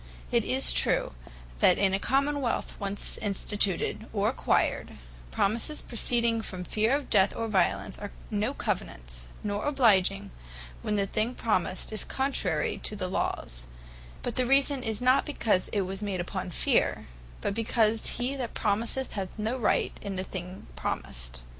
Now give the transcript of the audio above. It is true, that in a Common wealth once Instituted, or acquired, Promises proceeding from fear of death, or violence, are no Covenants, nor obliging, when the thing promised is contrary to the Lawes; But the reason is not, because it was made upon fear, but because he that promiseth, hath no right in the thing promised.